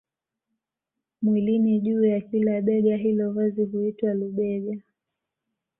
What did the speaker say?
mwilini juu ya kila bega hilo vazi huitwa lubega